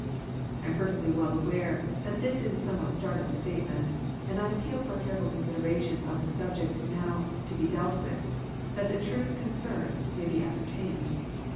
I am perfectly well aware that this is a somewhat startling statement, and I appeal for a careful consideration of the subject now to be dealt with that the truth concerned, may be ascertained.